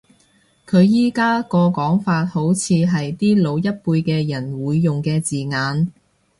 佢而家個講法好似係啲老一輩嘅人會用嘅字眼